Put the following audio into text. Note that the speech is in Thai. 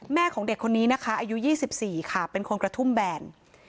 ของเด็กคนนี้นะคะอายุ๒๔ค่ะเป็นคนกระทุ่มแบน